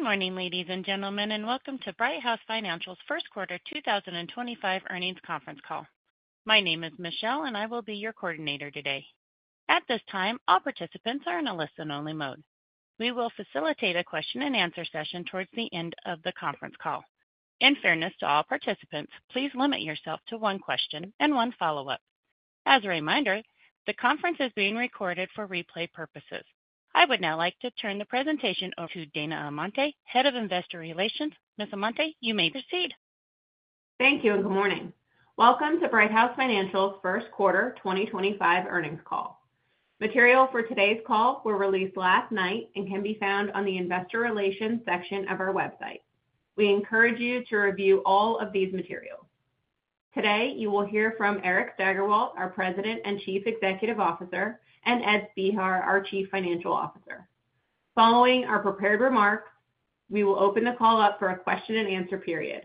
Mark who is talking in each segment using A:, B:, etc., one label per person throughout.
A: Good morning, ladies and gentlemen, and welcome to Brighthouse Financial's First Quarter 2025 Earnings conference call. My name is Michelle, and I will be your coordinator today. At this time, all participants are in a listen-only mode. We will facilitate a question-and-answer session towards the end of the conference call. In fairness to all participants, please limit yourself to one question and one follow-up. As a reminder, the conference is being recorded for replay purposes. I would now like to turn the presentation over to Dana Amante, Head of Investor Relations. Ms. Amante, you may proceed.
B: Thank you, and good morning. Welcome to Brighthouse Financial's First Quarter 2025 earnings call. Material for today's call was released last night and can be found on the Investor Relations section of our website. We encourage you to review all of these materials. Today, you will hear from Eric Steigerwalt, our President and Chief Executive Officer, and Ed Spehar, our Chief Financial Officer. Following our prepared remarks, we will open the call up for a question-and-answer period.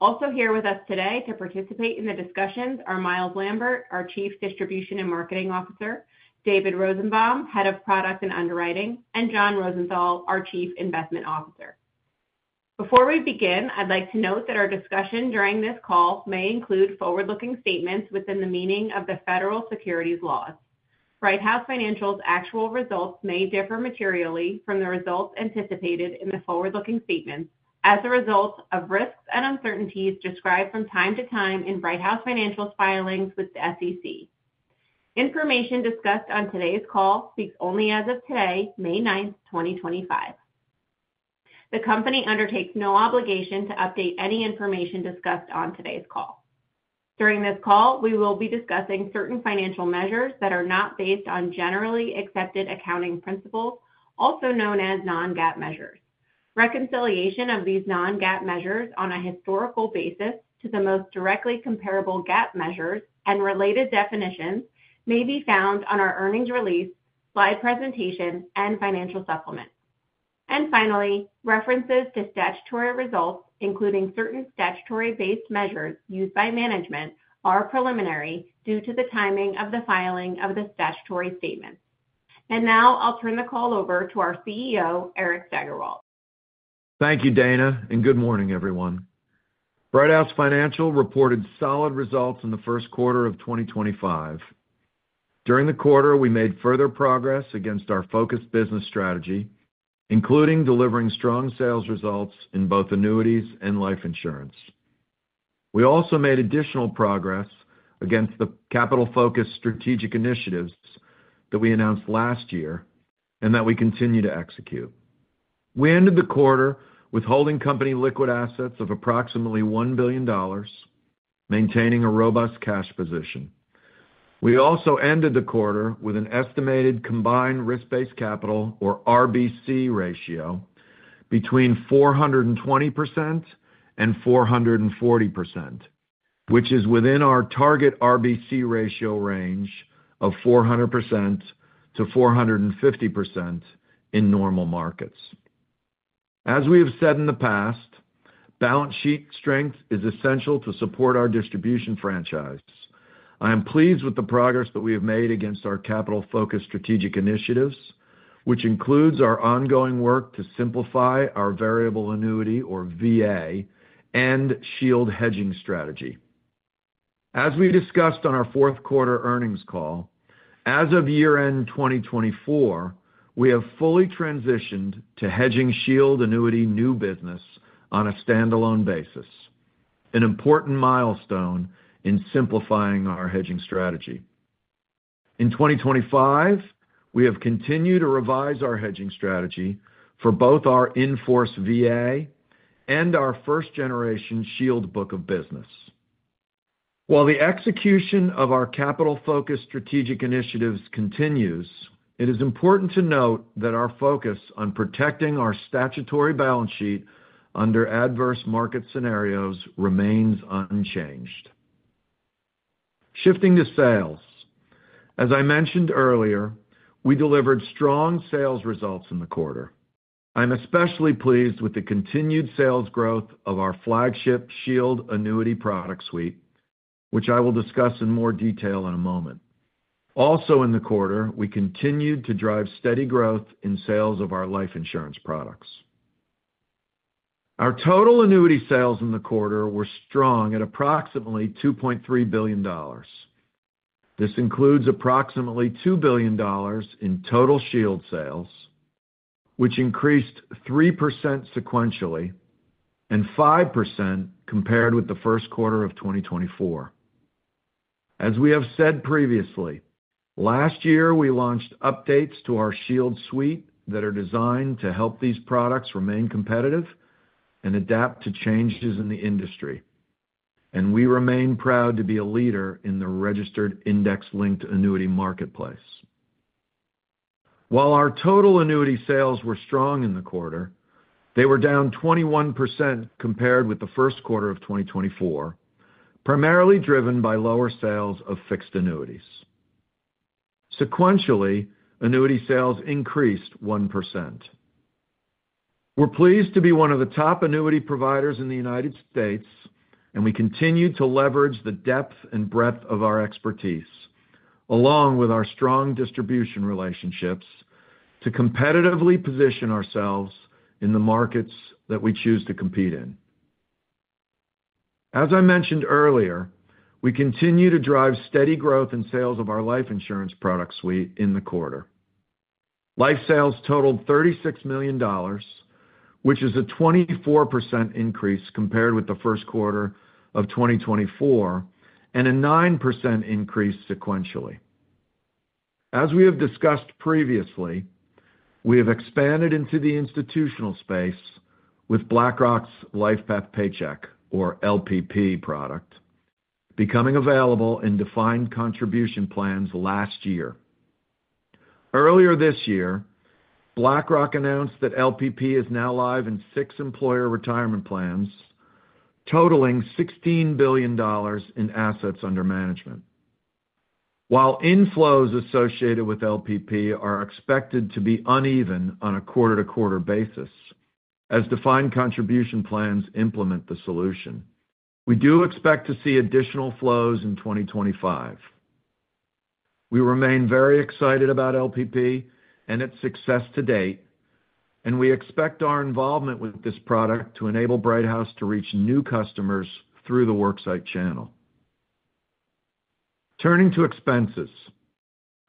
B: Also here with us today to participate in the discussion are Myles Lambert, our Chief Distribution and Marketing Officer; David Rosenbaum, Head of Product and Underwriting; and John Rosenthal, our Chief Investment Officer. Before we begin, I'd like to note that our discussion during this call may include forward-looking statements within the meaning of the federal securities laws. Brighthouse Financial's actual results may differ materially from the results anticipated in the forward-looking statements as a result of risks and uncertainties described from time to time in Brighthouse Financial's filings with the SEC. Information discussed on today's call speaks only as of today, May 9, 2025. The company undertakes no obligation to update any information discussed on today's call. During this call, we will be discussing certain financial measures that are not based on generally accepted accounting principles, also known as non-GAAP measures. Reconciliation of these non-GAAP measures on a historical basis to the most directly comparable GAAP measures and related definitions may be found on our earnings release, slide presentation, and financial supplement. Finally, references to statutory results, including certain statutory-based measures used by management, are preliminary due to the timing of the filing of the statutory statements. I will turn the call over to our CEO, Eric Steigerwalt.
C: Thank you, Dana, and good morning, everyone. Brighthouse Financial reported solid results in the first quarter of 2025. During the quarter, we made further progress against our focused business strategy, including delivering strong sales results in both annuities and life insurance. We also made additional progress against the capital-focused strategic initiatives that we announced last year and that we continue to execute. We ended the quarter with holding company liquid assets of approximately $1 billion, maintaining a robust cash position. We also ended the quarter with an estimated combined risk-based capital, or RBC ratio, between 420% and 440%, which is within our target RBC ratio range of 400% to 450% in normal markets. As we have said in the past, balance sheet strength is essential to support our distribution franchise. I am pleased with the progress that we have made against our capital-focused strategic initiatives, which includes our ongoing work to simplify our variable annuity, or VA, and shield hedging strategy. As we discussed on our fourth quarter earnings call, as of year-end 2024, we have fully transitioned to hedging shield annuity new business on a standalone basis, an important milestone in simplifying our hedging strategy. In 2025, we have continued to revise our hedging strategy for both our in-force VA and our first-generation shield book of business. While the execution of our capital-focused strategic initiatives continues, it is important to note that our focus on protecting our statutory balance sheet under adverse market scenarios remains unchanged. Shifting to sales, as I mentioned earlier, we delivered strong sales results in the quarter. I am especially pleased with the continued sales growth of our flagship Shield annuity product suite, which I will discuss in more detail in a moment. Also, in the quarter, we continued to drive steady growth in sales of our life insurance products. Our total annuity sales in the quarter were strong at approximately $2.3 billion. This includes approximately $2 billion in total Shield sales, which increased 3% sequentially and 5% compared with the first quarter of 2024. As we have said previously, last year we launched updates to our Shield suite that are designed to help these products remain competitive and adapt to changes in the industry, and we remain proud to be a leader in the registered index-linked annuity marketplace. While our total annuity sales were strong in the quarter, they were down 21% compared with the first quarter of 2024, primarily driven by lower sales of fixed annuities. Sequentially, annuity sales increased 1%. We're pleased to be one of the top annuity providers in the U.S., and we continue to leverage the depth and breadth of our expertise, along with our strong distribution relationships, to competitively position ourselves in the markets that we choose to compete in. As I mentioned earlier, we continue to drive steady growth in sales of our life insurance product suite in the quarter. Life sales totaled $36 million, which is a 24% increase compared with the first quarter of 2024 and a 9% increase sequentially. As we have discussed previously, we have expanded into the institutional space with BlackRock's LifePath Paycheck, or LPP, product becoming available in defined contribution plans last year. Earlier this year, BlackRock announced that LPP is now live in six employer retirement plans, totaling $16 billion in assets under management. While inflows associated with LPP are expected to be uneven on a quarter-to-quarter basis as defined contribution plans implement the solution, we do expect to see additional flows in 2025. We remain very excited about LPP and its success to date, and we expect our involvement with this product to enable Brighthouse to reach new customers through the Worksite channel. Turning to expenses,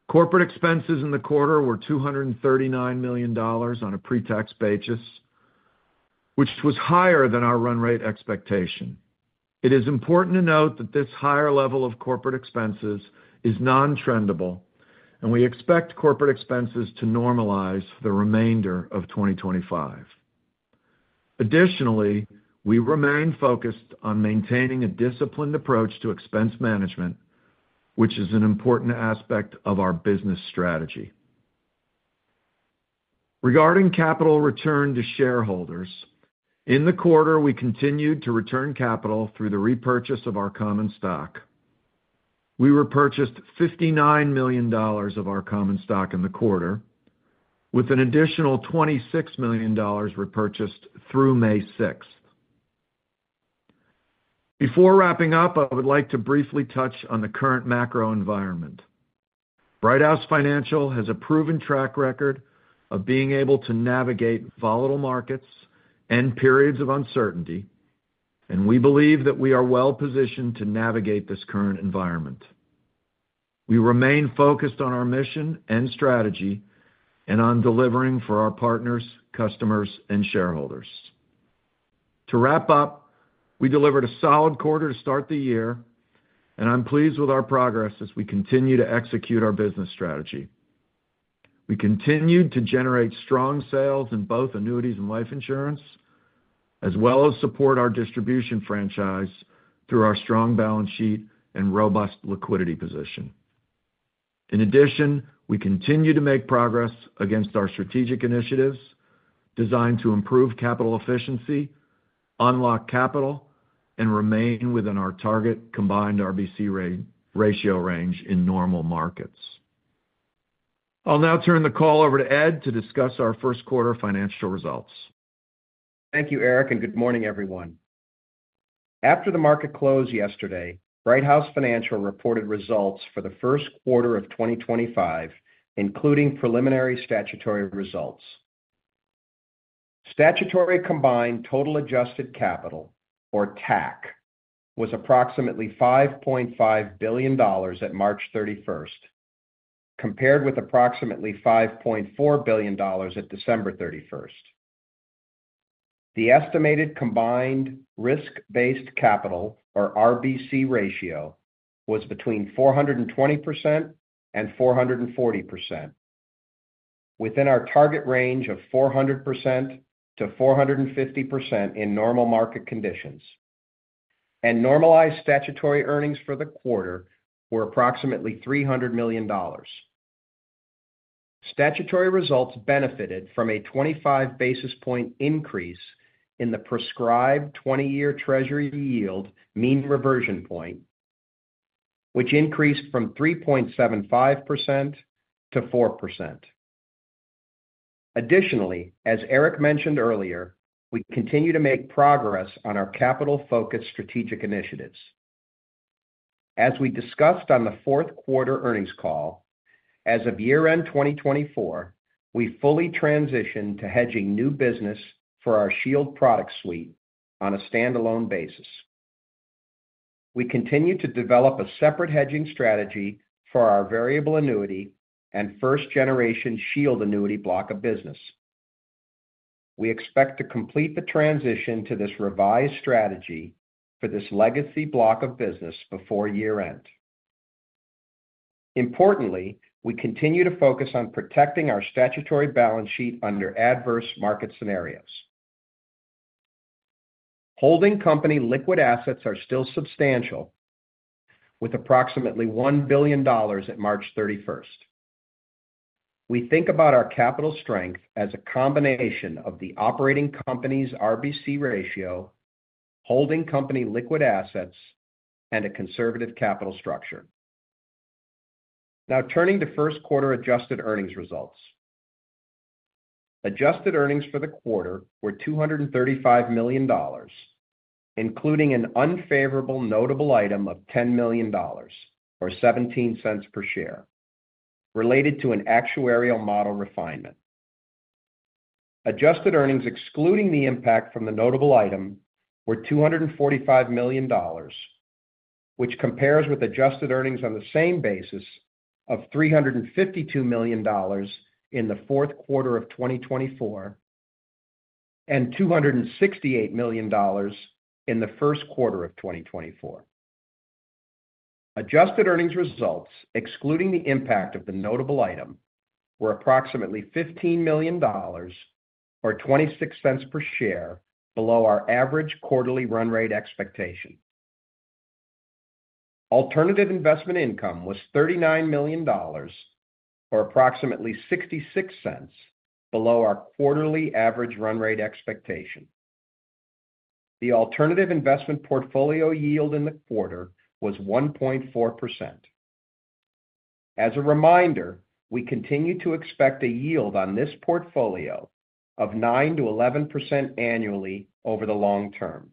C: corporate expenses in the quarter were $239 million on a pre-tax basis, which was higher than our run rate expectation. It is important to note that this higher level of corporate expenses is non-trendable, and we expect corporate expenses to normalize for the remainder of 2025. Additionally, we remain focused on maintaining a disciplined approach to expense management, which is an important aspect of our business strategy. Regarding capital return to shareholders, in the quarter, we continued to return capital through the repurchase of our common stock. We repurchased $59 million of our common stock in the quarter, with an additional $26 million repurchased through May 6. Before wrapping up, I would like to briefly touch on the current macro environment. Brighthouse Financial has a proven track record of being able to navigate volatile markets and periods of uncertainty, and we believe that we are well-positioned to navigate this current environment. We remain focused on our mission and strategy and on delivering for our partners, customers, and shareholders. To wrap up, we delivered a solid quarter to start the year, and I'm pleased with our progress as we continue to execute our business strategy. We continued to generate strong sales in both annuities and life insurance, as well as support our distribution franchise through our strong balance sheet and robust liquidity position. In addition, we continue to make progress against our strategic initiatives designed to improve capital efficiency, unlock capital, and remain within our target combined RBC ratio range in normal markets. I'll now turn the call over to Ed to discuss our first quarter financial results.
D: Thank you, Eric, and good morning, everyone. After the market closed yesterday, Brighthouse Financial reported results for the first quarter of 2025, including preliminary statutory results. Statutory combined total adjusted capital, or TAC, was approximately $5.5 billion at March 31, compared with approximately $5.4 billion at December 31. The estimated combined risk-based capital, or RBC ratio, was between 420% and 440%, within our target range of 400%-450% in normal market conditions, and normalized statutory earnings for the quarter were approximately $300 million. Statutory results benefited from a 25 basis point increase in the prescribed 20-year Treasury yield mean reversion point, which increased from 3.75% to 4%. Additionally, as Eric mentioned earlier, we continue to make progress on our capital-focused strategic initiatives. As we discussed on the fourth quarter earnings call, as of year-end 2024, we fully transitioned to hedging new business for our shield product suite on a standalone basis. We continue to develop a separate hedging strategy for our variable annuity and first-generation shield annuity block of business. We expect to complete the transition to this revised strategy for this legacy block of business before year-end. Importantly, we continue to focus on protecting our statutory balance sheet under adverse market scenarios. Holding company liquid assets are still substantial, with approximately $1 billion at March 31. We think about our capital strength as a combination of the operating company's RBC ratio, holding company liquid assets, and a conservative capital structure. Now, turning to first quarter adjusted earnings results. Adjusted earnings for the quarter were $235 million, including an unfavorable notable item of $10 million, or $0.17 per share, related to an actuarial model refinement. Adjusted earnings excluding the impact from the notable item were $245 million, which compares with adjusted earnings on the same basis of $352 million in the fourth quarter of 2024 and $268 million in the first quarter of 2024. Adjusted earnings results, excluding the impact of the notable item, were approximately $15 million, or $0.26 per share, below our average quarterly run rate expectation. Alternative investment income was $39 million, or approximately $0.66 below our quarterly average run rate expectation. The alternative investment portfolio yield in the quarter was 1.4%. As a reminder, we continue to expect a yield on this portfolio of 9%-11% annually over the long term.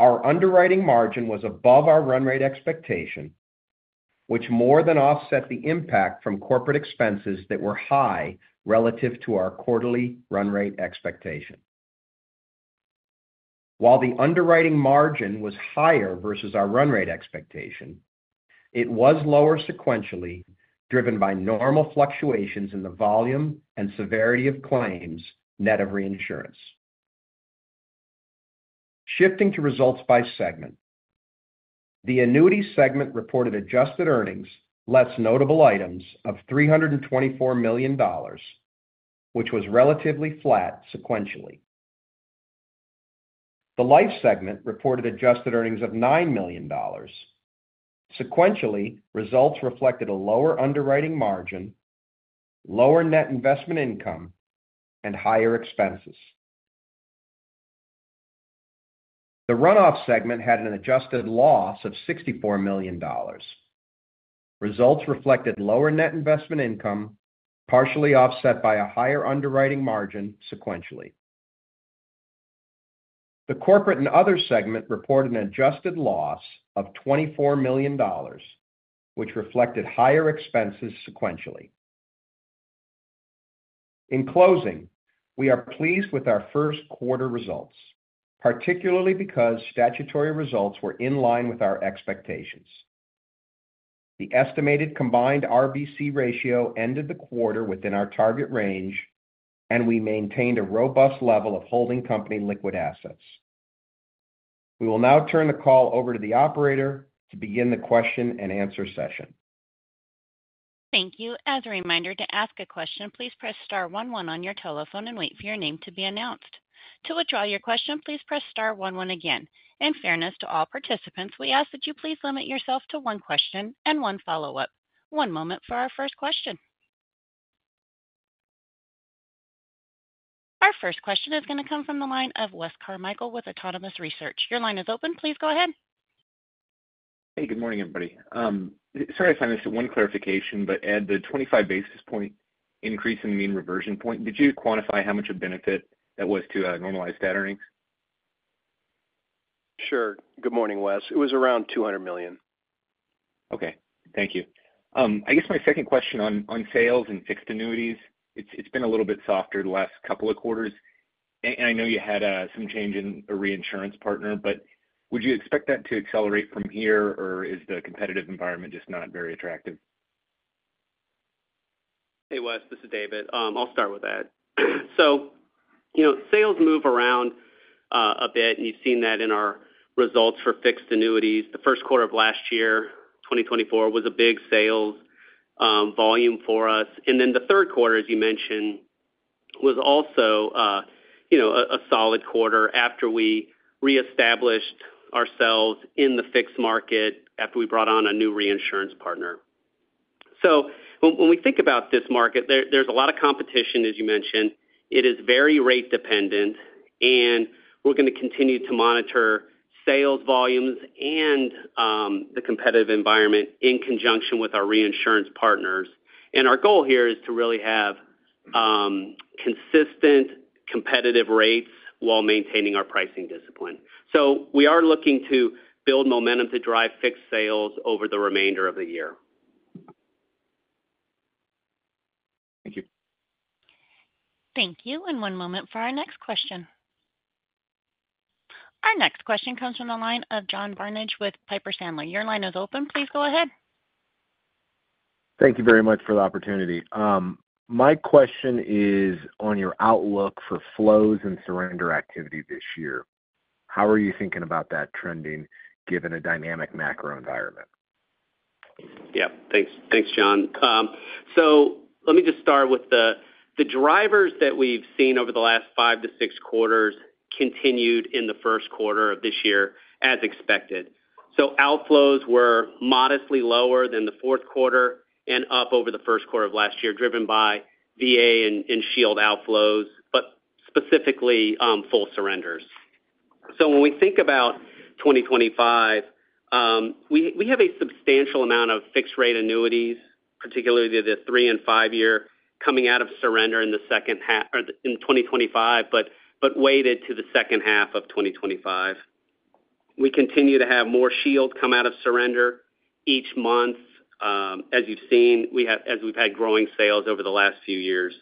D: Our underwriting margin was above our run rate expectation, which more than offset the impact from corporate expenses that were high relative to our quarterly run rate expectation. While the underwriting margin was higher versus our run rate expectation, it was lower sequentially, driven by normal fluctuations in the volume and severity of claims net of reinsurance. Shifting to results by segment, the annuity segment reported adjusted earnings less notable items of $324 million, which was relatively flat sequentially. The life segment reported adjusted earnings of $9 million. Sequentially, results reflected a lower underwriting margin, lower net investment income, and higher expenses. The runoff segment had an adjusted loss of $64 million. Results reflected lower net investment income, partially offset by a higher underwriting margin sequentially. The corporate and other segment reported an adjusted loss of $24 million, which reflected higher expenses sequentially. In closing, we are pleased with our first quarter results, particularly because statutory results were in line with our expectations. The estimated combined RBC ratio ended the quarter within our target range, and we maintained a robust level of holding company liquid assets. We will now turn the call over to the operator to begin the question and answer session.
A: Thank you. As a reminder, to ask a question, please press star 11 on your telephone and wait for your name to be announced. To withdraw your question, please press star 11 again. In fairness to all participants, we ask that you please limit yourself to one question and one follow-up. One moment for our first question. Our first question is going to come from the line of Wes Carmichael with Autonomous Research. Your line is open. Please go ahead.
E: Hey, good morning, everybody. Sorry if I missed one clarification, but Ed, the 25 basis point increase in the mean reversion point, did you quantify how much of benefit that was to normalized data earnings?
D: Sure. Good morning, Wes. It was around $200 million.
E: Okay. Thank you. I guess my second question on sales and fixed annuities, it's been a little bit softer the last couple of quarters. I know you had some change in a reinsurance partner, but would you expect that to accelerate from here, or is the competitive environment just not very attractive?
F: Hey, Wes. This is David. I'll start with Ed. Sales move around a bit, and you've seen that in our results for fixed annuities. The first quarter of last year, 2024, was a big sales volume for us. The third quarter, as you mentioned, was also a solid quarter after we reestablished ourselves in the fixed market after we brought on a new reinsurance partner. When we think about this market, there is a lot of competition, as you mentioned. It is very rate-dependent, and we're going to continue to monitor sales volumes and the competitive environment in conjunction with our reinsurance partners. Our goal here is to really have consistent competitive rates while maintaining our pricing discipline. We are looking to build momentum to drive fixed sales over the remainder of the year.
E: Thank you.
A: Thank you. One moment for our next question. Our next question comes from the line of John Barnidge with Piper Sandler. Your line is open. Please go ahead.
G: Thank you very much for the opportunity. My question is on your outlook for flows and surrender activity this year. How are you thinking about that trending given a dynamic macro environment?
D: Yeah. Thanks, John. Let me just start with the drivers that we've seen over the last five to six quarters continued in the first quarter of this year as expected. Outflows were modestly lower than the fourth quarter and up over the first quarter of last year, driven by VA and shield outflows, but specifically full surrenders. When we think about 2025, we have a substantial amount of fixed-rate annuities, particularly the three and five-year, coming out of surrender in the second half in 2025, but weighted to the second half of 2025. We continue to have more shield come out of surrender each month, as you've seen, as we've had growing sales over the last few years.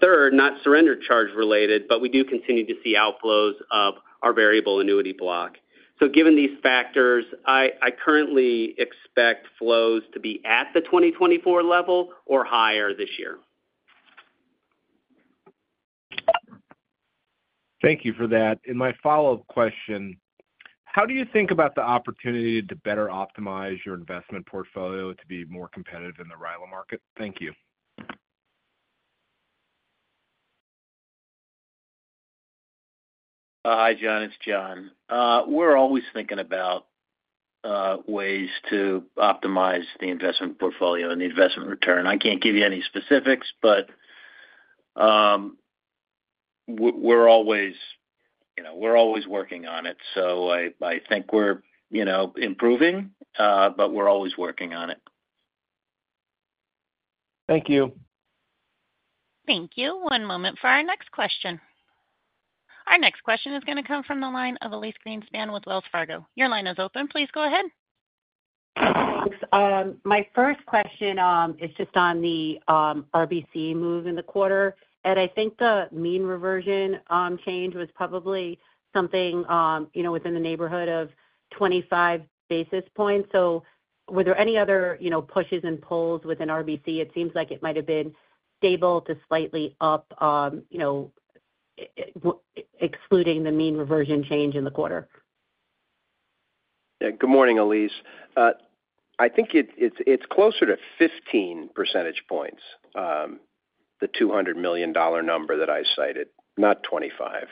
D: Third, not surrender charge related, but we do continue to see outflows of our variable annuity block. Given these factors, I currently expect flows to be at the 2024 level or higher this year.
G: Thank you for that. My follow-up question, how do you think about the opportunity to better optimize your investment portfolio to be more competitive in the RILA market? Thank you.
H: Hi, John. It's John. We're always thinking about ways to optimize the investment portfolio and the investment return. I can't give you any specifics, but we're always working on it. I think we're improving, but we're always working on it.
G: Thank you.
A: Thank you. One moment for our next question. Our next question is going to come from the line of Elyse Greenspan with Wells Fargo. Your line is open. Please go ahead.
I: Thanks. My first question is just on the RBC move in the quarter. Ed, I think the mean reversion change was probably something within the neighborhood of 25 basis points. So were there any other pushes and pulls within RBC? It seems like it might have been stable to slightly up, excluding the mean reversion change in the quarter.
D: Yeah. Good morning, Elyse. I think it's closer to 15 percentage points, the $200 million number that I cited, not 25.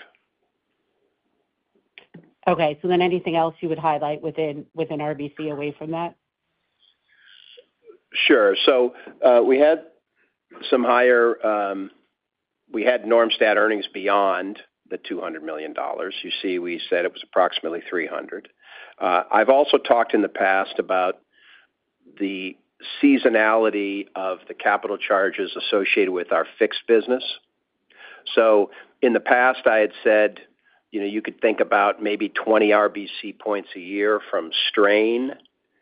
I: Okay. So then anything else you would highlight within RBC away from that?
D: Sure. We had some higher, we had normalized earnings beyond the $200 million. You see, we said it was approximately $300 million. I've also talked in the past about the seasonality of the capital charges associated with our fixed business. In the past, I had said you could think about maybe 20 RBC points a year from strain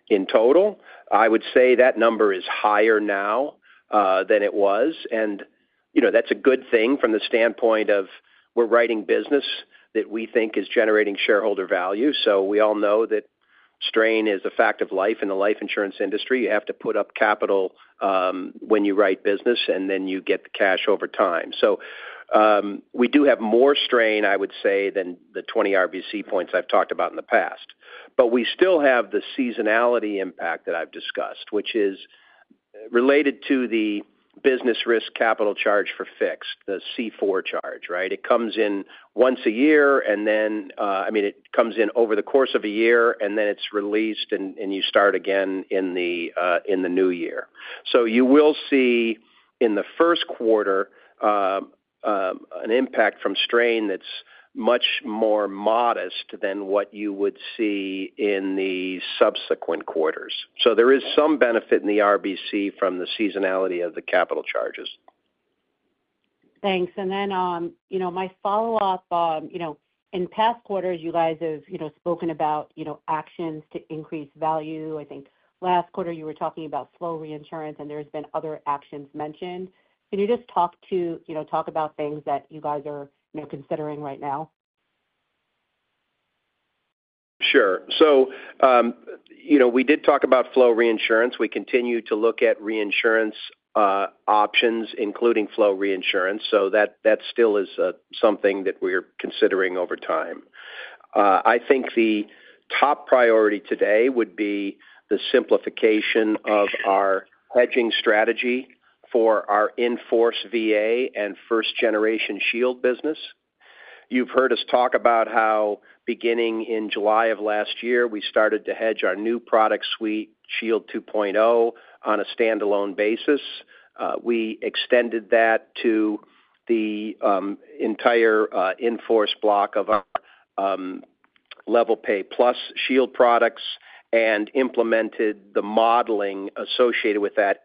D: in total. I would say that number is higher now than it was. That is a good thing from the standpoint of we're writing business that we think is generating shareholder value. We all know that strain is a fact of life in the life insurance industry. You have to put up capital when you write business, and then you get the cash over time. We do have more strain, I would say, than the 20 RBC points I've talked about in the past. We still have the seasonality impact that I've discussed, which is related to the business risk capital charge for fixed, the C4 charge, right? It comes in once a year, and then, I mean, it comes in over the course of a year, and then it's released, and you start again in the new year. You will see in the first quarter an impact from strain that's much more modest than what you would see in the subsequent quarters. There is some benefit in the RBC from the seasonality of the capital charges.
I: Thanks. Then my follow-up, in past quarters, you guys have spoken about actions to increase value. I think last quarter you were talking about flow reinsurance, and there have been other actions mentioned. Can you just talk about things that you guys are considering right now?
D: Sure. We did talk about flow reinsurance. We continue to look at reinsurance options, including flow reinsurance. That still is something that we're considering over time. I think the top priority today would be the simplification of our hedging strategy for our Enforce VA and first-generation shield business. You've heard us talk about how beginning in July of last year, we started to hedge our new product suite, Shield 2.0, on a standalone basis. We extended that to the entire Enforce block of our Level Pay Plus shield products and implemented the modeling associated with that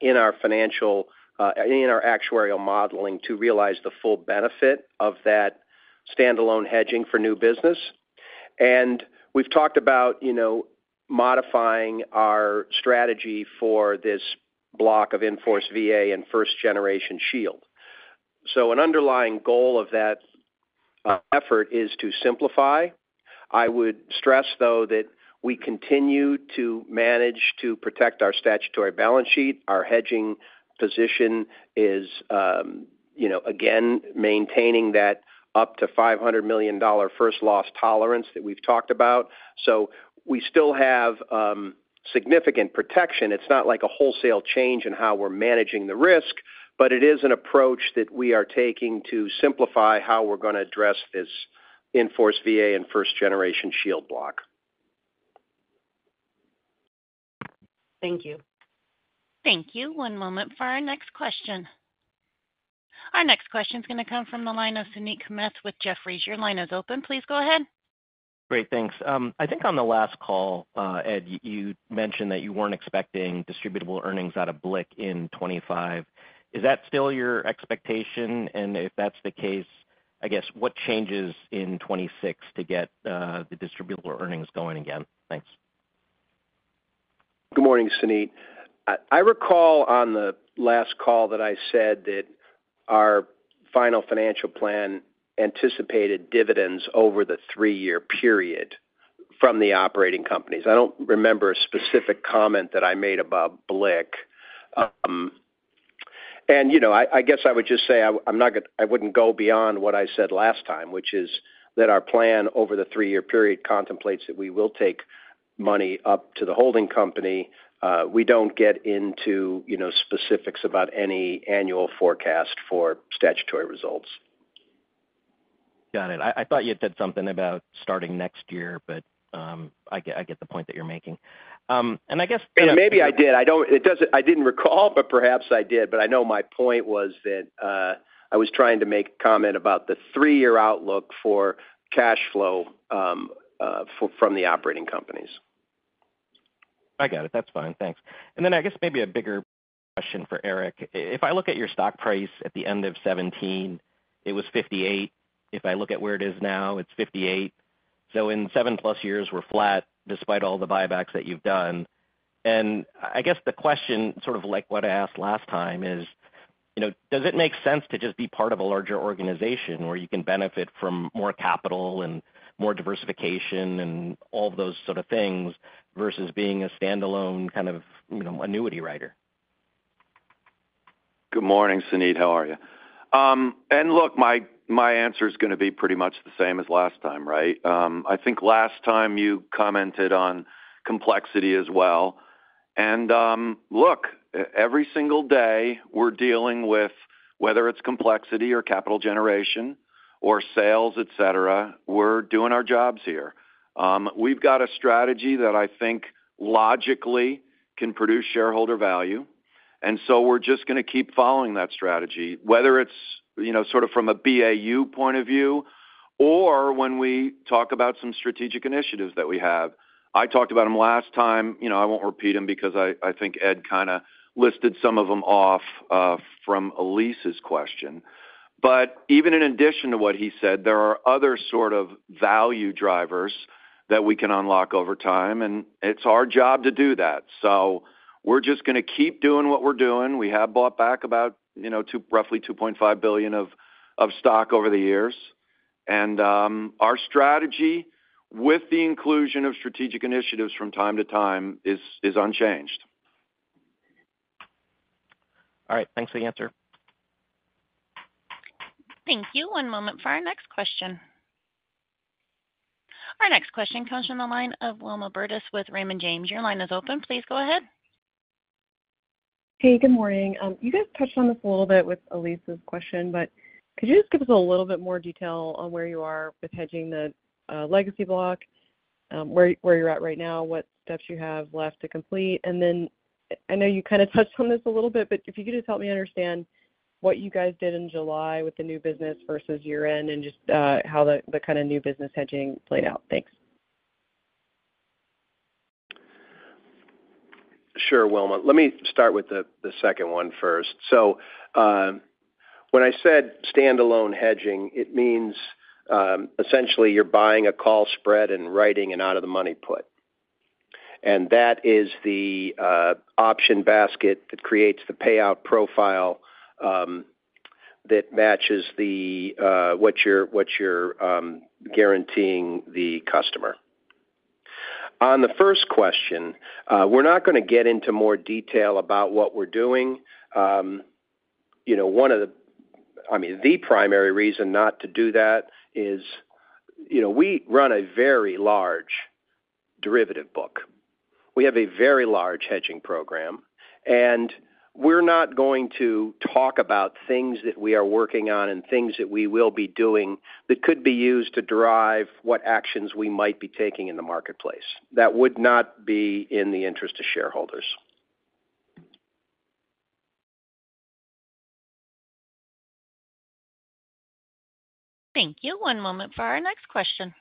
D: in our actuarial modeling to realize the full benefit of that standalone hedging for new business. We've talked about modifying our strategy for this block of Enforce VA and first-generation shield. An underlying goal of that effort is to simplify. I would stress, though, that we continue to manage to protect our statutory balance sheet. Our hedging position is, again, maintaining that up to $500 million first loss tolerance that we've talked about. We still have significant protection. It's not like a wholesale change in how we're managing the risk, but it is an approach that we are taking to simplify how we're going to address this in-force VA and first-generation shield block.
I: Thank you.
A: Thank you. One moment for our next question. Our next question is going to come from the line of Suneet Kamath with Jefferies. Your line is open. Please go ahead.
J: Great. Thanks. I think on the last call, Ed, you mentioned that you were not expecting distributable earnings out of BLIC in 2025. Is that still your expectation? If that is the case, I guess, what changes in 2026 to get the distributable earnings going again? Thanks.
D: Good morning, Suneet. I recall on the last call that I said that our final financial plan anticipated dividends over the three-year period from the operating companies. I do not remember a specific comment that I made about BLIC. I guess I would just say I would not go beyond what I said last time, which is that our plan over the three-year period contemplates that we will take money up to the holding company. We do not get into specifics about any annual forecast for statutory results.
J: Got it. I thought you had said something about starting next year, but I get the point that you're making. I guess.
D: Maybe I did. I did not recall, but perhaps I did. I know my point was that I was trying to make a comment about the three-year outlook for cash flow from the operating companies.
J: I got it. That's fine. Thanks. I guess maybe a bigger question for Eric. If I look at your stock price at the end of 2017, it was $58. If I look at where it is now, it's $58. In seven-plus years, we're flat despite all the buybacks that you've done. I guess the question, sort of like what I asked last time, is does it make sense to just be part of a larger organization where you can benefit from more capital and more diversification and all of those sort of things versus being a standalone kind of annuity writer?
C: Good morning, Suneet. How are you? My answer is going to be pretty much the same as last time, right? I think last time you commented on complexity as well. Every single day we are dealing with whether it is complexity or capital generation or sales, etc., we are doing our jobs here. We have got a strategy that I think logically can produce shareholder value. We are just going to keep following that strategy, whether it is sort of from a BAU point of view or when we talk about some strategic initiatives that we have. I talked about them last time. I will not repeat them because I think Ed kind of listed some of them off from Elyse's question. Even in addition to what he said, there are other sort of value drivers that we can unlock over time. It is our job to do that. We're just going to keep doing what we're doing. We have bought back about $2.5 billion of stock over the years. Our strategy with the inclusion of strategic initiatives from time to time is unchanged.
J: All right. Thanks for the answer.
A: Thank you. One moment for our next question. Our next question comes from the line of Wilma Burdis with Raymond James. Your line is open. Please go ahead.
K: Hey, good morning. You guys touched on this a little bit with Elyse's question, but could you just give us a little bit more detail on where you are with hedging the legacy block, where you're at right now, what steps you have left to complete? I know you kind of touched on this a little bit, but if you could just help me understand what you guys did in July with the new business versus year-end and just how the kind of new business hedging played out. Thanks.
D: Sure, Will. Let me start with the second one first. When I said standalone hedging, it means essentially you're buying a call spread and writing an out-of-the-money put. That is the option basket that creates the payout profile that matches what you're guaranteeing the customer. On the first question, we're not going to get into more detail about what we're doing. I mean, the primary reason not to do that is we run a very large derivative book. We have a very large hedging program. We're not going to talk about things that we are working on and things that we will be doing that could be used to drive what actions we might be taking in the marketplace. That would not be in the interest of shareholders.
A: Thank you. One moment for our next question.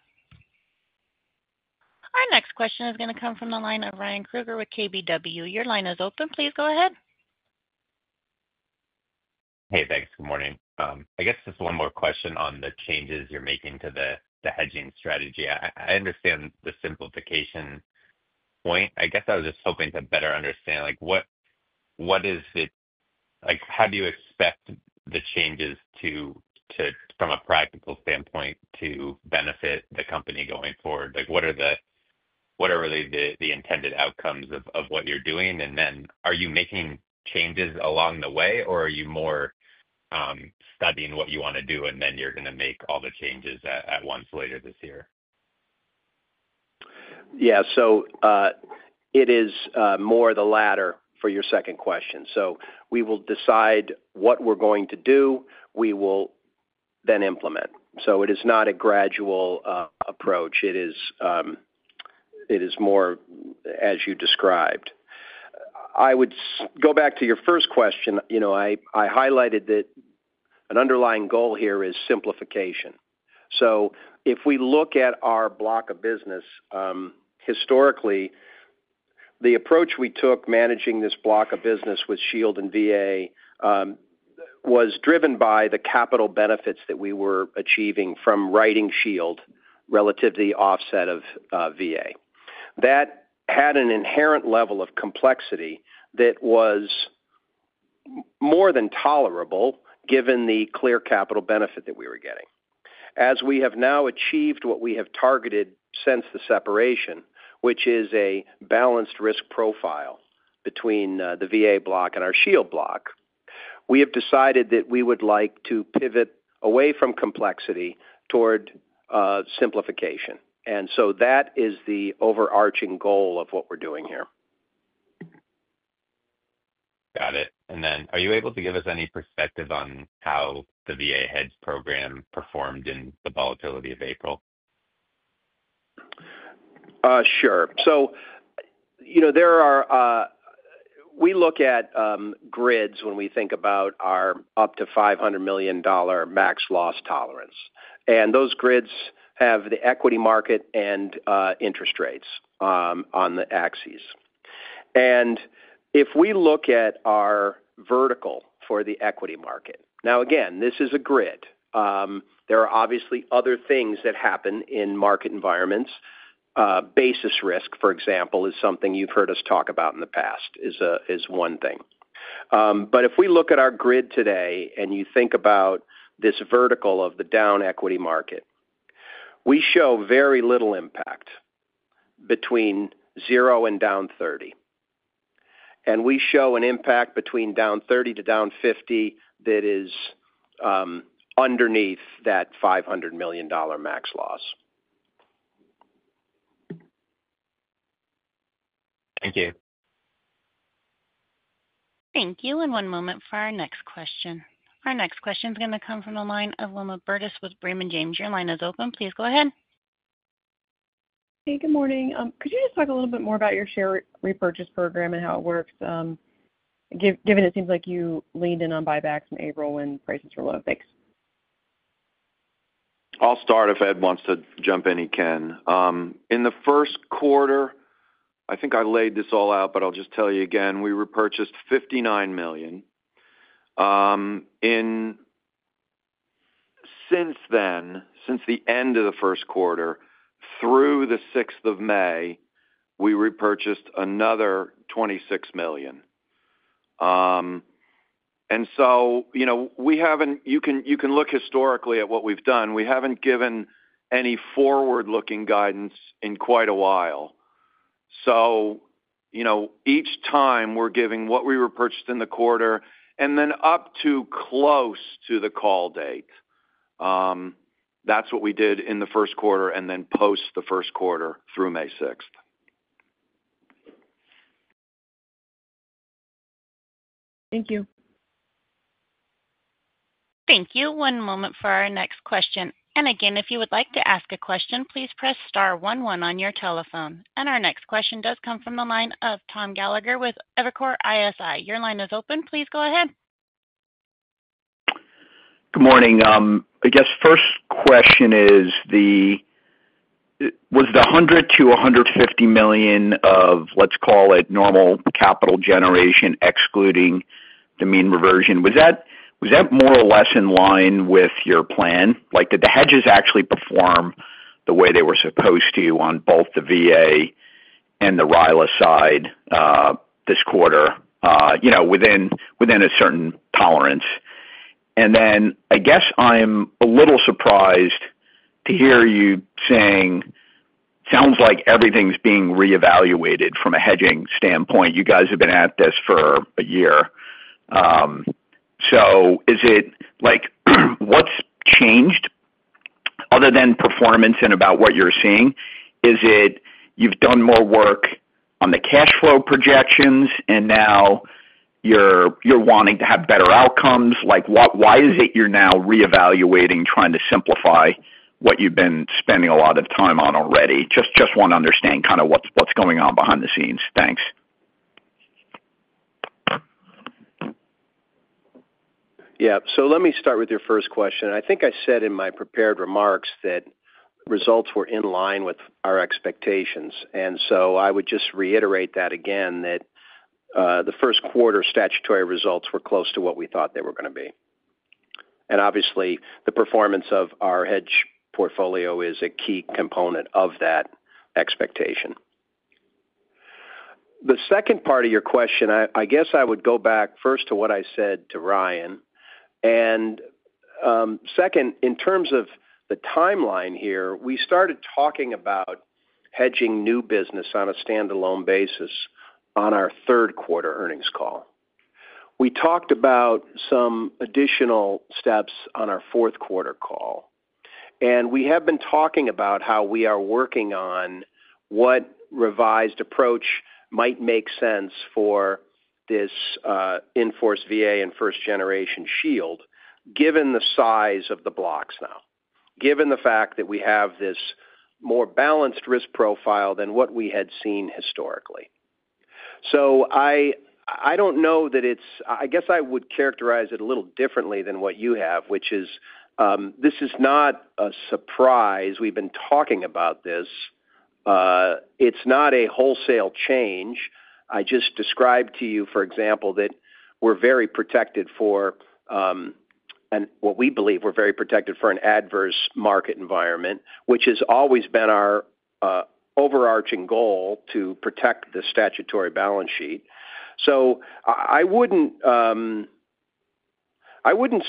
A: Our next question is going to come from the line of Ryan Krueger with KBW. Your line is open. Please go ahead.
L: Hey, thanks. Good morning. I guess just one more question on the changes you're making to the hedging strategy. I understand the simplification point. I guess I was just hoping to better understand what is it? How do you expect the changes from a practical standpoint to benefit the company going forward? What are the intended outcomes of what you're doing? Are you making changes along the way, or are you more studying what you want to do, and then you're going to make all the changes at once later this year?
D: Yeah. It is more the latter for your second question. We will decide what we're going to do. We will then implement. It is not a gradual approach. It is more as you described. I would go back to your first question. I highlighted that an underlying goal here is simplification. If we look at our block of business, historically, the approach we took managing this block of business with shield and VA was driven by the capital benefits that we were achieving from writing shield relative to the offset of VA. That had an inherent level of complexity that was more than tolerable given the clear capital benefit that we were getting. As we have now achieved what we have targeted since the separation, which is a balanced risk profile between the VA block and our shield block, we have decided that we would like to pivot away from complexity toward simplification. That is the overarching goal of what we're doing here.
L: Got it. Are you able to give us any perspective on how the VA Hedge program performed in the volatility of April?
D: Sure. We look at grids when we think about our up to $500 million max loss tolerance. Those grids have the equity market and interest rates on the axes. If we look at our vertical for the equity market, now, again, this is a grid. There are obviously other things that happen in market environments. Basis risk, for example, is something you've heard us talk about in the past, is one thing. If we look at our grid today and you think about this vertical of the down equity market, we show very little impact between zero and down 30. We show an impact between down 30 to down 50 that is underneath that $500 million max loss.
L: Thank you.
A: Thank you. One moment for our next question. Our next question is going to come from the line of Wilma Burdis with Raymond James. Your line is open. Please go ahead.
K: Hey, good morning. Could you just talk a little bit more about your share repurchase program and how it works, given it seems like you leaned in on buybacks in April when prices were low? Thanks.
C: I'll start. If Ed wants to jump in, he can. In the first quarter, I think I laid this all out, but I'll just tell you again, we repurchased $59 million. Since then, since the end of the first quarter, through the 6th of May, we repurchased another $26 million. You can look historically at what we've done. We haven't given any forward-looking guidance in quite a while. Each time we're giving what we repurchased in the quarter and then up to close to the call date. That's what we did in the first quarter and then post the first quarter through May 6th.
K: Thank you.
A: Thank you. One moment for our next question. If you would like to ask a question, please press star 11 on your telephone. Our next question does come from the line of Thom Gallagher with Evercore ISI. Your line is open. Please go ahead.
M: Good morning. I guess first question is, was the $100-$150 million of, let's call it, normal capital generation, excluding the mean reversion, was that more or less in line with your plan? Did the hedges actually perform the way they were supposed to on both the VA and the RILA side this quarter within a certain tolerance? I guess I'm a little surprised to hear you saying it sounds like everything's being reevaluated from a hedging standpoint. You guys have been at this for a year. What's changed other than performance and about what you're seeing? Is it you've done more work on the cash flow projections, and now you're wanting to have better outcomes? Why is it you're now reevaluating, trying to simplify what you've been spending a lot of time on already? Just want to understand kind of what's going on behind the scenes. Thanks.
D: Yeah. Let me start with your first question. I think I said in my prepared remarks that results were in line with our expectations. I would just reiterate that again, that the first quarter statutory results were close to what we thought they were going to be. Obviously, the performance of our hedge portfolio is a key component of that expectation. The second part of your question, I guess I would go back first to what I said to Ryan. Second, in terms of the timeline here, we started talking about hedging new business on a standalone basis on our third quarter earnings call. We talked about some additional steps on our fourth quarter call. We have been talking about how we are working on what revised approach might make sense for this Enforce VA and first-generation shield, given the size of the blocks now, given the fact that we have this more balanced risk profile than what we had seen historically. I do not know that it's, I guess I would characterize it a little differently than what you have, which is this is not a surprise. We have been talking about this. It's not a wholesale change. I just described to you, for example, that we are very protected for what we believe we are very protected for an adverse market environment, which has always been our overarching goal to protect the statutory balance sheet. I would not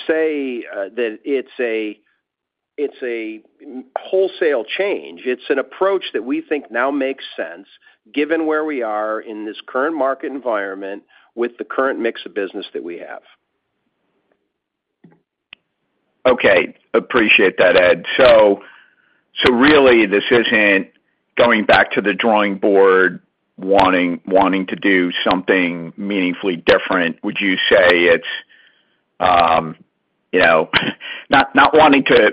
D: say that it's a wholesale change. It's an approach that we think now makes sense, given where we are in this current market environment with the current mix of business that we have.
M: Okay. Appreciate that, Ed. Really, this isn't going back to the drawing board wanting to do something meaningfully different. Would you say it's not wanting to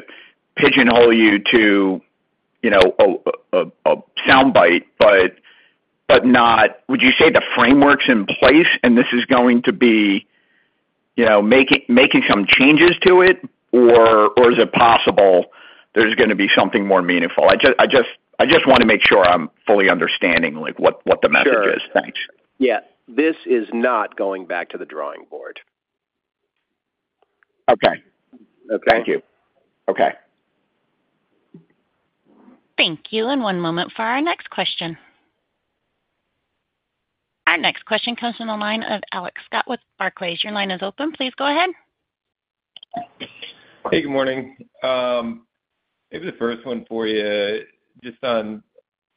M: pigeonhole you to a soundbite, but would you say the framework's in place and this is going to be making some changes to it, or is it possible there's going to be something more meaningful? I just want to make sure I'm fully understanding what the message is.
D: Sure. Thanks. Yeah. This is not going back to the drawing board.
M: Okay.
D: Okay. Thank you.
M: Okay.
A: Thank you. One moment for our next question. Our next question comes from the line of Alex Scott with Barclays. Your line is open. Please go ahead.
N: Hey, good morning. Maybe the first one for you, just on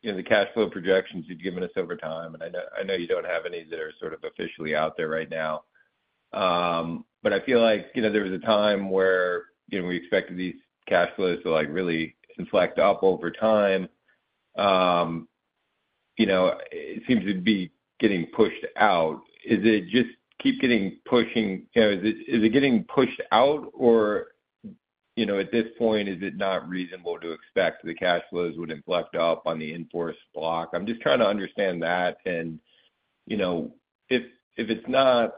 N: the cash flow projections you've given us over time. I know you don't have any that are sort of officially out there right now. I feel like there was a time where we expected these cash flows to really inflect up over time. It seems to be getting pushed out. Is it just keep getting pushing? Is it getting pushed out, or at this point, is it not reasonable to expect the cash flows would inflect up on the Enforce block? I'm just trying to understand that. If it's not,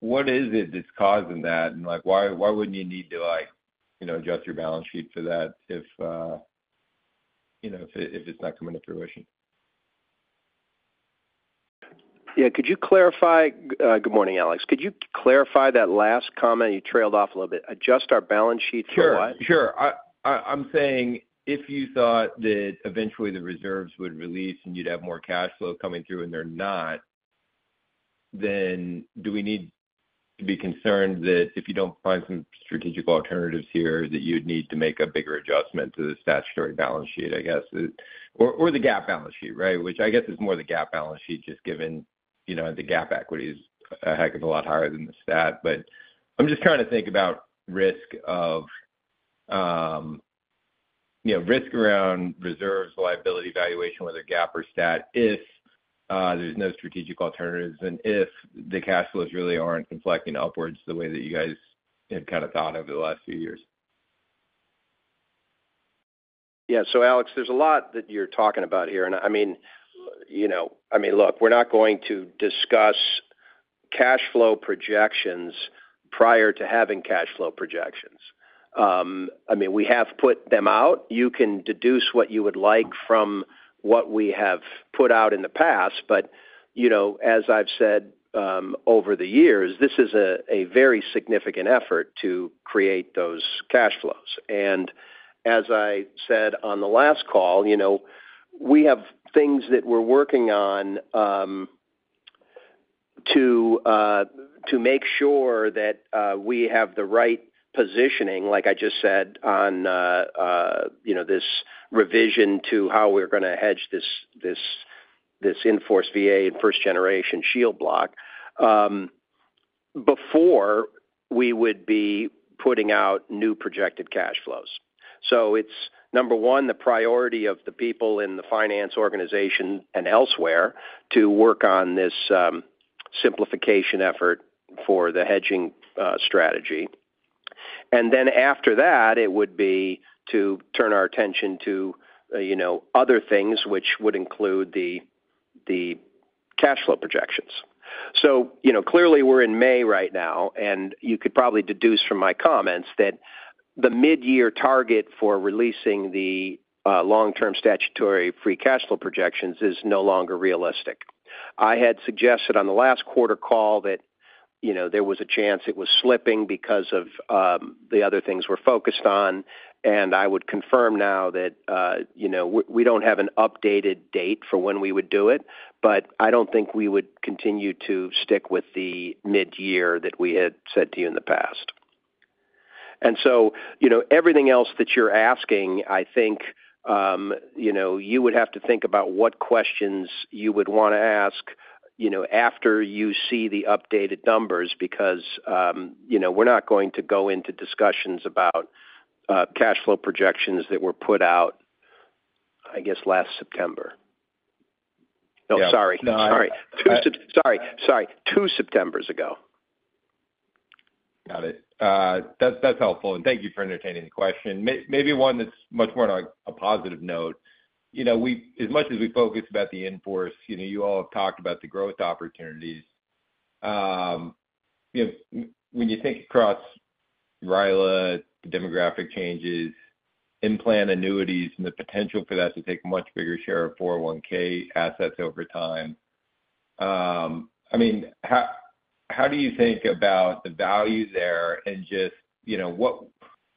N: what is it that's causing that? Why wouldn't you need to adjust your balance sheet for that if it's not coming to fruition?
D: Yeah. Could you clarify? Good morning, Alex. Could you clarify that last comment? You trailed off a little bit. Adjust our balance sheet for what?
N: Sure. I'm saying if you thought that eventually the reserves would release and you'd have more cash flow coming through and they're not, then do we need to be concerned that if you don't find some strategic alternatives here, that you'd need to make a bigger adjustment to the statutory balance sheet, I guess, or the GAAP balance sheet, right, which I guess is more the GAAP balance sheet just given the GAAP equity is a heck of a lot higher than the stat. I'm just trying to think about risk around reserves, liability valuation, whether GAAP or stat, if there's no strategic alternatives and if the cash flows really aren't inflecting upwards the way that you guys have kind of thought over the last few years.
D: Yeah. Alex, there's a lot that you're talking about here. I mean, look, we're not going to discuss cash flow projections prior to having cash flow projections. I mean, we have put them out. You can deduce what you would like from what we have put out in the past. As I've said over the years, this is a very significant effort to create those cash flows. As I said on the last call, we have things that we're working on to make sure that we have the right positioning, like I just said, on this revision to how we're going to hedge this enforce VA and first-generation shield block before we would be putting out new projected cash flows. It's, number one, the priority of the people in the finance organization and elsewhere to work on this simplification effort for the hedging strategy. After that, it would be to turn our attention to other things, which would include the cash flow projections. Clearly, we're in May right now. You could probably deduce from my comments that the mid-year target for releasing the long-term statutory free cash flow projections is no longer realistic. I had suggested on the last quarter call that there was a chance it was slipping because of the other things we're focused on. I would confirm now that we do not have an updated date for when we would do it, but I do not think we would continue to stick with the mid-year that we had said to you in the past. Everything else that you're asking, I think you would have to think about what questions you would want to ask after you see the updated numbers because we're not going to go into discussions about cash flow projections that were put out, I guess, last September.
C: No.
D: Oh, sorry. Sorry.
C: No.
D: Sorry. Sorry. Two Septembers ago.
N: Got it. That's helpful. Thank you for entertaining the question. Maybe one that's much more on a positive note. As much as we focus about the Enforce, you all have talked about the growth opportunities. When you think across RILA, the demographic changes, in-plan annuities, and the potential for that to take a much bigger share of 401(k) assets over time, I mean, how do you think about the value there and just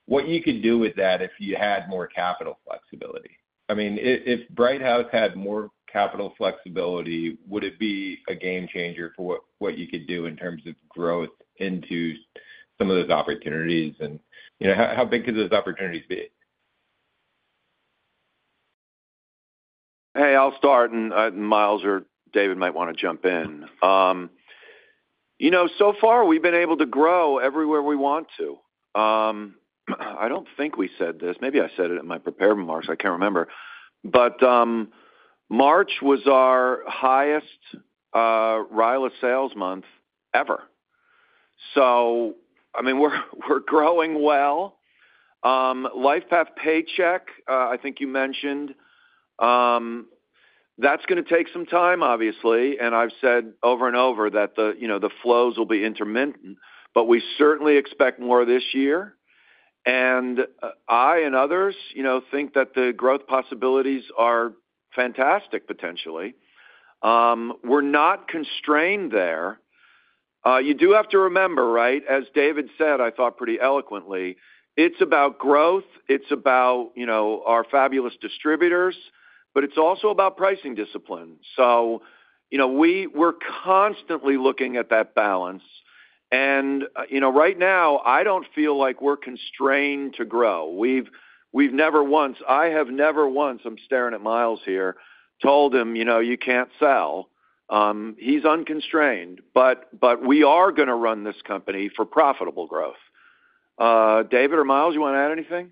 N: what you could do with that if you had more capital flexibility? I mean, if Brighthouse had more capital flexibility, would it be a game changer for what you could do in terms of growth into some of those opportunities? How big could those opportunities be?
C: Hey, I'll start. Myles or David might want to jump in. So far, we've been able to grow everywhere we want to. I don't think we said this. Maybe I said it in my prepared remarks. I can't remember. March was our highest RILA sales month ever. I mean, we're growing well. LifePath Paycheck, I think you mentioned, that's going to take some time, obviously. I've said over and over that the flows will be intermittent, but we certainly expect more this year. I and others think that the growth possibilities are fantastic, potentially. We're not constrained there. You do have to remember, right, as David said, I thought pretty eloquently, it's about growth. It's about our fabulous distributors, but it's also about pricing discipline. We're constantly looking at that balance. Right now, I don't feel like we're constrained to grow. I've never once—I have never once—I'm staring at Myles here—told him, "You can't sell." He's unconstrained. We are going to run this company for profitable growth. David or Myles, you want to add anything?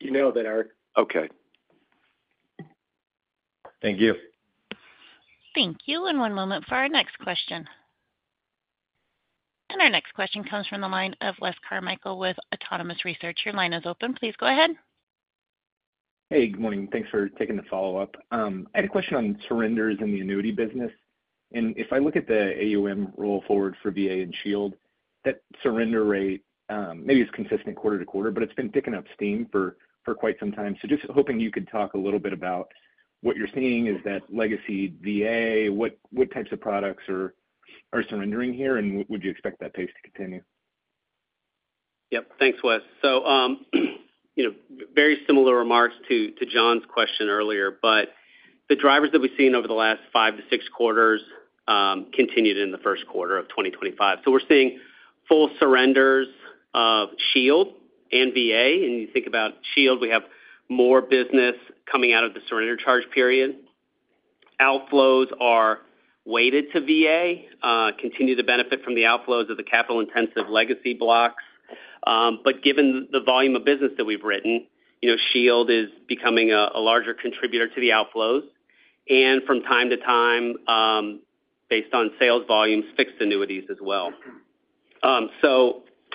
F: You nailed it, Eric.
C: Okay.
N: Thank you.
A: Thank you. One moment for our next question. Our next question comes from the line of Wes Carmichael with Autonomous Research. Your line is open. Please go ahead.
E: Hey, good morning. Thanks for taking the follow-up. I had a question on surrenders in the annuity business. If I look at the AUM roll forward for VA and shield, that surrender rate maybe is consistent quarter to quarter, but it's been picking up steam for quite some time. Just hoping you could talk a little bit about what you're seeing. Is that legacy VA, what types of products are surrendering here, and would you expect that pace to continue?
F: Yep. Thanks, Wes. Very similar remarks to John's question earlier, but the drivers that we've seen over the last five to six quarters continued in the first quarter of 2025. We're seeing full surrenders of shield and VA. You think about shield, we have more business coming out of the surrender charge period. Outflows are weighted to VA, continue to benefit from the outflows of the capital-intensive legacy blocks. Given the volume of business that we've written, shield is becoming a larger contributor to the outflows. From time to time, based on sales volumes, fixed annuities as well.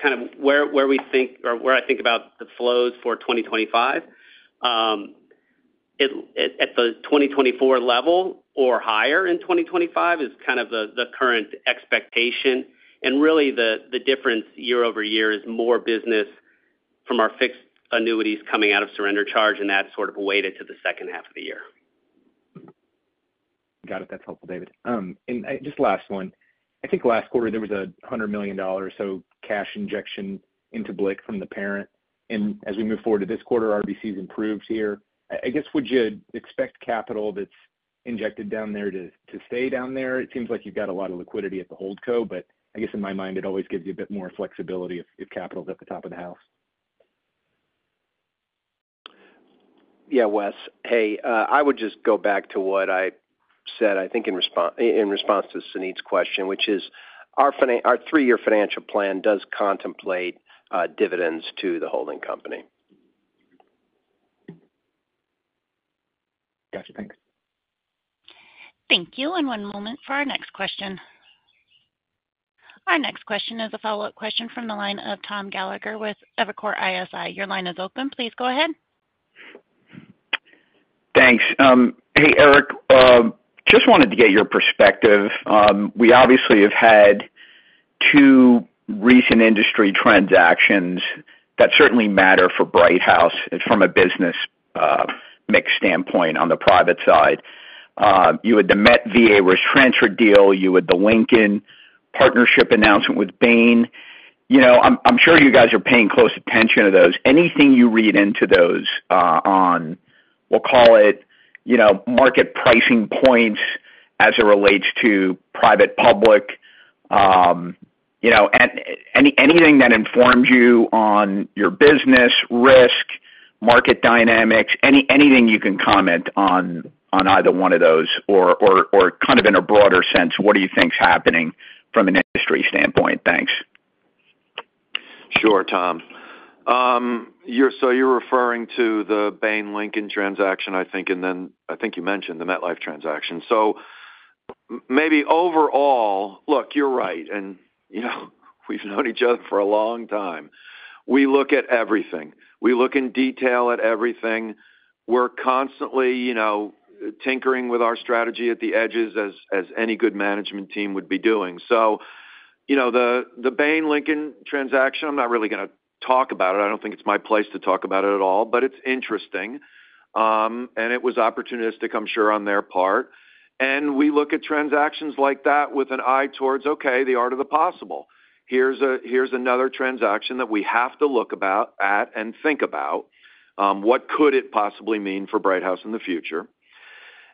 F: Kind of where we think or where I think about the flows for 2025, at the 2024 level or higher in 2025 is kind of the current expectation. Really, the difference year over year is more business from our fixed annuities coming out of surrender charge, and that is sort of weighted to the second half of the year.
E: Got it. That is helpful, David. Just last one. I think last quarter, there was a $100 million or so cash injection into BLIC from the parent. As we move forward to this quarter, RBC has improved here. I guess, would you expect capital that is injected down there to stay down there? It seems like you have got a lot of liquidity at the hold co, but I guess in my mind, it always gives you a bit more flexibility if capital is at the top of the house.
D: Yeah, Wes. Hey, I would just go back to what I said, I think, in response to Suneet's question, which is our three-year financial plan does contemplate dividends to the holding company.
E: Gotcha. Thanks.
A: Thank you. One moment for our next question. Our next question is a follow-up question from the line of Thom Gallagher with Evercore ISI. Your line is open. Please go ahead.
M: Thanks. Hey, Eric, just wanted to get your perspective. We obviously have had two recent industry transactions that certainly matter for Brighthouse from a business mix standpoint on the private side. You had the Met VA risk transfer deal. You had the Lincoln partnership announcement with Bain. I'm sure you guys are paying close attention to those. Anything you read into those on, we'll call it market pricing points as it relates to private public, anything that informs you on your business risk, market dynamics, anything you can comment on either one of those or kind of in a broader sense, what do you think's happening from an industry standpoint? Thanks.
C: Sure, Tom. You're referring to the Bain-Lincoln transaction, I think, and then I think you mentioned the MetLife transaction. Maybe overall, look, you're right. We've known each other for a long time. We look at everything. We look in detail at everything. We're constantly tinkering with our strategy at the edges as any good management team would be doing. The Bain-Lincoln transaction, I'm not really going to talk about it. I don't think it's my place to talk about it at all, but it's interesting. It was opportunistic, I'm sure, on their part. We look at transactions like that with an eye towards, okay, the art of the possible. Here's another transaction that we have to look at and think about.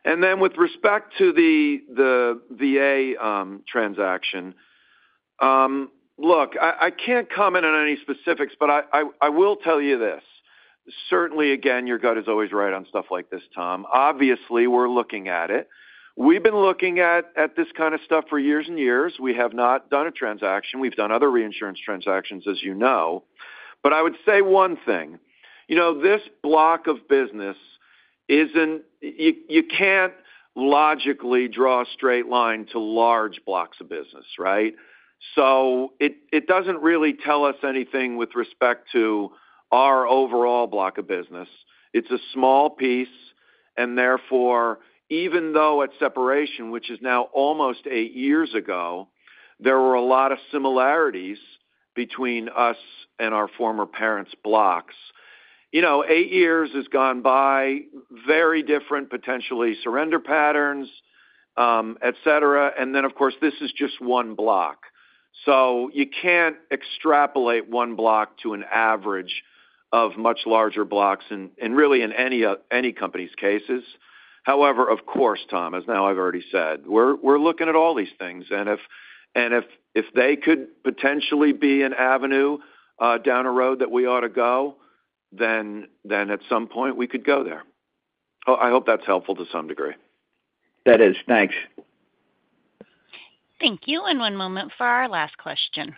C: What could it possibly mean for Brighthouse in the future? With respect to the VA transaction, look, I can't comment on any specifics, but I will tell you this. Certainly, again, your gut is always right on stuff like this, Thom. Obviously, we're looking at it. We've been looking at this kind of stuff for years and years. We have not done a transaction. We've done other reinsurance transactions, as you know. I would say one thing. This block of business isn't—you can't logically draw a straight line to large blocks of business, right? It doesn't really tell us anything with respect to our overall block of business. It's a small piece. Therefore, even though at separation, which is now almost eight years ago, there were a lot of similarities between us and our former parents' blocks. Eight years has gone by, very different potentially surrender patterns, etc. Of course, this is just one block. You cannot extrapolate one block to an average of much larger blocks in really any company's cases. However, of course, Tom, as I have already said, we are looking at all these things. If they could potentially be an avenue down a road that we ought to go, then at some point, we could go there. I hope that is helpful to some degree.
M: That is. Thanks.
A: Thank you. One moment for our last question.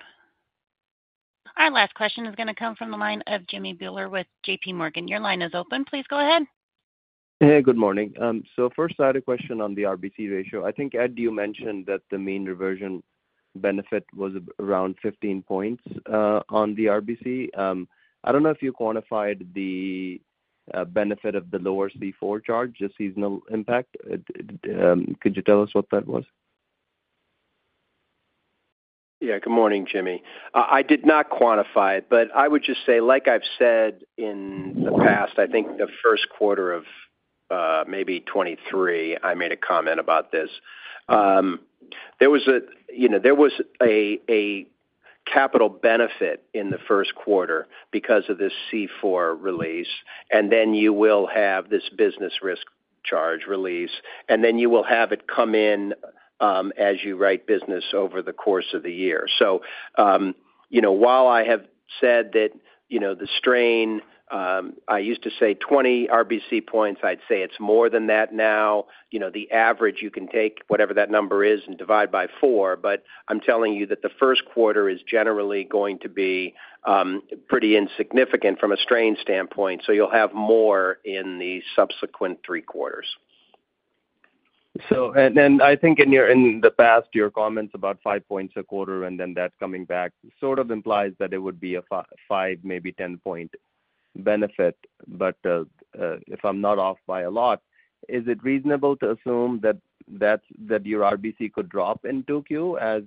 A: Our last question is going to come from the line of Jimmy Bhullar with JPMorgan. Your line is open. Please go ahead.
O: Hey, good morning. First, I had a question on the RBC ratio. I think, Ed, you mentioned that the mean reversion benefit was around 15 points on the RBC. I do not know if you quantified the benefit of the lower C4 charge, the seasonal impact. Could you tell us what that was?
D: Yeah. Good morning, Jimmy. I did not quantify it, but I would just say, like I have said in the past, I think the first quarter of maybe 2023, I made a comment about this. There was a capital benefit in the first quarter because of this C4 release. You will have this business risk charge release. You will have it come in as you write business over the course of the year. While I have said that the strain, I used to say 20 RBC points. I would say it is more than that now. The average, you can take whatever that number is and divide by four. I am telling you that the first quarter is generally going to be pretty insignificant from a strain standpoint. You will have more in the subsequent three quarters.
O: I think in the past, your comments about five points a quarter and then that coming back sort of implies that it would be a 5, maybe 10-point benefit. If I'm not off by a lot, is it reasonable to assume that your RBC could drop in Tokyo as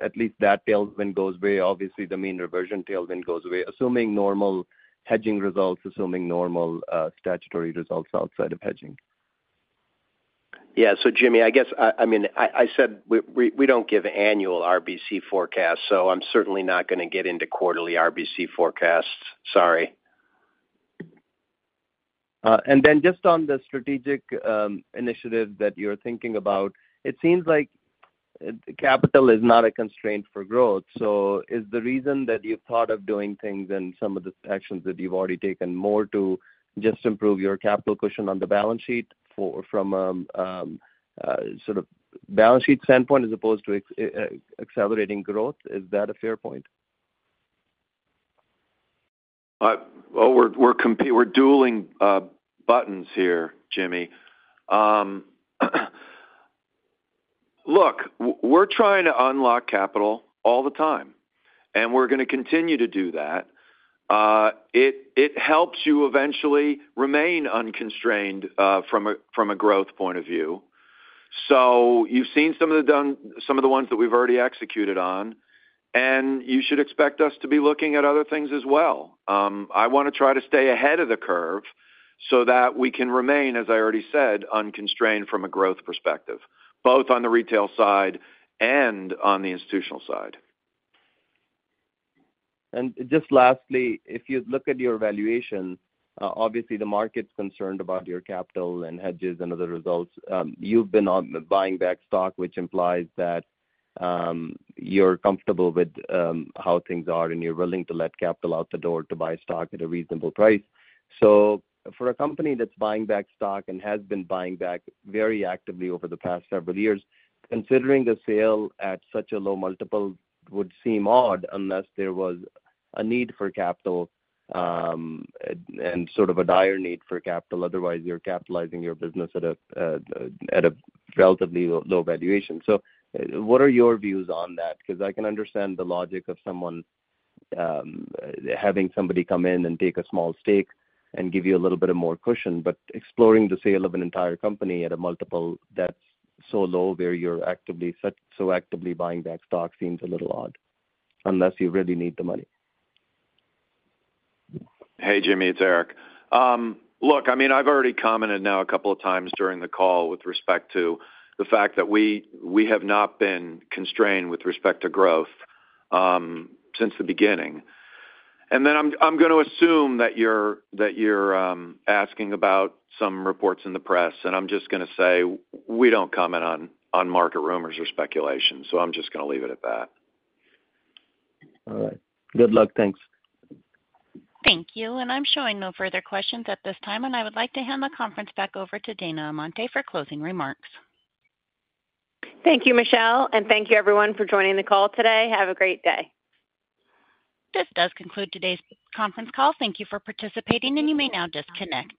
O: at least that tailwind goes away? Obviously, the mean reversion tailwind goes away, assuming normal hedging results, assuming normal statutory results outside of hedging.
D: Yeah. So, Jimmy, I guess, I mean, I said we do not give annual RBC forecasts, so I am certainly not going to get into quarterly RBC forecasts. Sorry.
O: Just on the strategic initiative that you're thinking about, it seems like capital is not a constraint for growth. Is the reason that you've thought of doing things and some of the actions that you've already taken more to just improve your capital cushion on the balance sheet from a sort of balance sheet standpoint as opposed to accelerating growth? Is that a fair point?
C: We're dueling buttons here, Jimmy. Look, we're trying to unlock capital all the time, and we're going to continue to do that. It helps you eventually remain unconstrained from a growth point of view. You have seen some of the ones that we have already executed on, and you should expect us to be looking at other things as well. I want to try to stay ahead of the curve so that we can remain, as I already said, unconstrained from a growth perspective, both on the retail side and on the institutional side.
O: Just lastly, if you look at your valuation, obviously, the market's concerned about your capital and hedges and other results. You've been buying back stock, which implies that you're comfortable with how things are and you're willing to let capital out the door to buy stock at a reasonable price. For a company that's buying back stock and has been buying back very actively over the past several years, considering the sale at such a low multiple would seem odd unless there was a need for capital and sort of a dire need for capital. Otherwise, you're capitalizing your business at a relatively low valuation. What are your views on that? I can understand the logic of having somebody come in and take a small stake and give you a little bit of more cushion. Exploring the sale of an entire company at a multiple that's so low where you're so actively buying back stock seems a little odd unless you really need the money.
C: Hey, Jimmy, it's Eric. Look, I mean, I've already commented now a couple of times during the call with respect to the fact that we have not been constrained with respect to growth since the beginning. I'm going to assume that you're asking about some reports in the press, and I'm just going to say we don't comment on market rumors or speculation. I'm just going to leave it at that.
O: All right. Good luck. Thanks.
A: Thank you. I'm showing no further questions at this time. I would like to hand the conference back over to Dana Amante for closing remarks.
B: Thank you, Michelle. Thank you, everyone, for joining the call today. Have a great day.
A: This does conclude today's conference call. Thank you for participating, and you may now disconnect.